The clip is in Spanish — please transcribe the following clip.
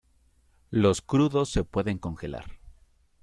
Los crudos se pueden congelar.